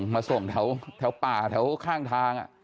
มาส่งแถวป่าแถวข้างทาง